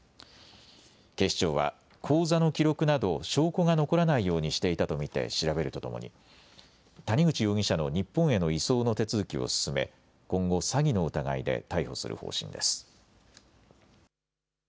警視庁は、口座の記録など証拠が残らないようにしていたと見て調べるとともに、谷口容疑者の日本への移送の手続きを進め、今後、詐欺の疑いで逮捕する方針です。